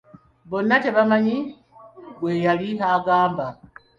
Bonna tebamanyi gwe yali agamba.